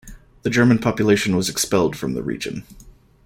The German population was expelled from the region.